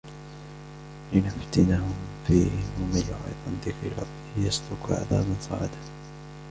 لنفتنهم فيه ومن يعرض عن ذكر ربه يسلكه عذابا صعدا